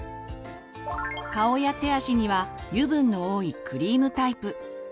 顔や手足には油分の多いクリームタイプ。